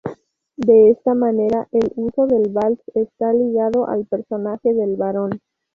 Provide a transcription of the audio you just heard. De esta manera, el uso del vals está ligado al personaje del barón.